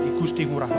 di gusti hurah rai